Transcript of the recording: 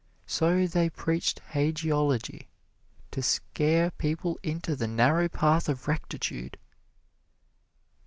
So they preached hagiology to scare people into the narrow path of rectitude.